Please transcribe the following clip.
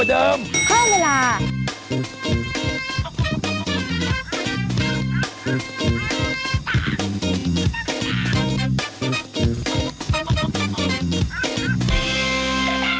เป็นสบายเยอะมากนะฮะ